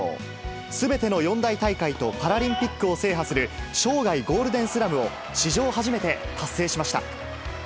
すべての四大大会とパラリンピックを制覇する、生涯ゴールデンスラムを史上初めて達成しました。